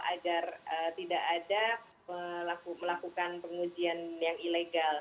agar tidak ada melakukan pengujian yang ilegal